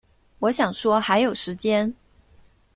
我想说还有时间